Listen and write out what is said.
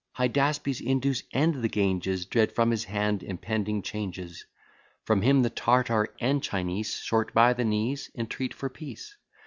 Hydaspes, Indus, and the Ganges, Dread from his hand impending changes. From him the Tartar and Chinese, Short by the knees, entreat for peace.